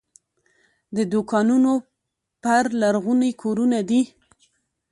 د دوکانونو پر لرغوني کورونه دي.